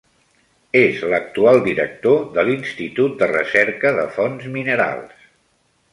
És l'actual director de l'institut de recerca de fonts minerals.